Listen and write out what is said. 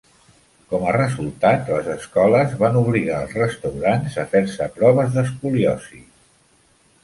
Com a resultat, les escoles van obligar els restaurants a fer-se proves d'escoliosi.